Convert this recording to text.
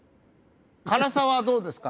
辛さはどうですか？